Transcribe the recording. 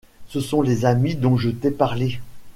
Ce sont les amis dont je t’ai parlé!